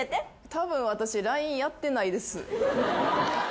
たぶん私ＬＩＮＥやってないです。